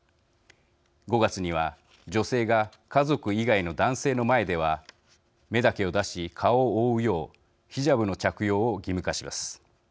５月には、女性が家族以外の男性の前では目だけを出し、顔を覆うようヒジャブの着用を義務化します。